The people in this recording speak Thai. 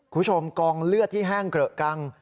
กองเลือดที่แห้งเกลอะกัง